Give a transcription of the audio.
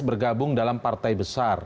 bergabung dalam partai besar